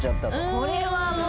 「これはもう」